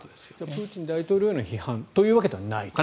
プーチン大統領への批判というわけではないと。